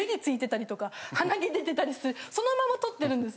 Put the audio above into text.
そのまま撮ってるんです。